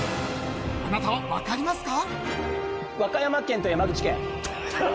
あなたは分かりますか？